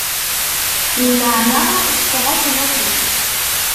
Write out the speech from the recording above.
Nneɛma teffeɣ-asen afus.